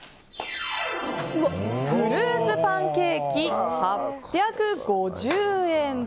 フルーツパンケーキ８５０円。